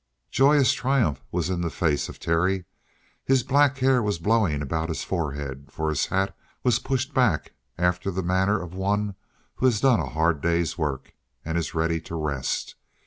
Joyous triumph was in the face of Terry. His black hair was blowing about his forehead, for his hat was pushed back after the manner of one who has done a hard day's work and is ready to rest.